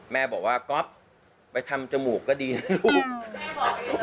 แม่บอกว่าก๊อฟไปทำจมูกก็ดีนะลูก